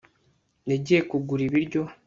yagiye kugura ibiryo